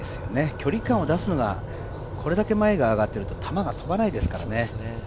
距離感を出すのがこれだけ前が上がってると球が飛ばないですからね。